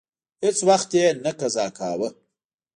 هیڅ وخت یې نه قضا کاوه.